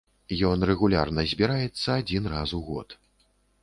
Ён рэгулярна збіраецца адзін раз у год.